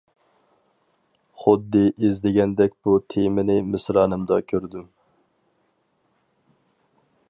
خۇددى ئىزدىگەندەك بۇ تېمىنى مىسرانىمدا كۆردۈم.